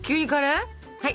はい！